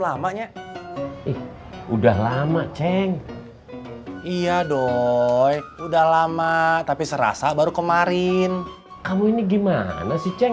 lamanya udah lama ceng iya dong udah lama tapi serasa baru kemarin kamu ini gimana sih ceng